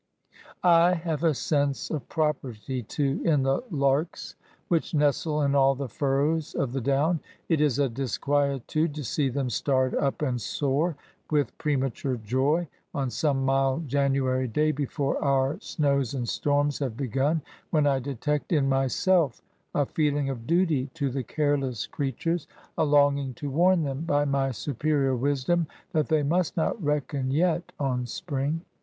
I have a sense of property too in the larks NATURE TO THE INVALID. 57 which nestle in all the furrows of the down. It is a disquietude to see them start up and soar^ with premature joy^ on some nuld January day, before our snows and storms have begun^ when I detect in myself a feeling of duty to the careless crea tures, — a longing to warn them, by my superior wisdom, that they must not reckon yet on spring.